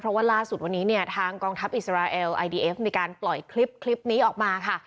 เพราะว่าล่าสุดวันนี้เนี่ยทางกองทัพอิสราเอลไอดีเอฟมีการปล่อยคลิปนี้ออกมาค่ะ